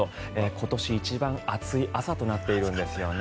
今年一番暑い朝となっているんですよね。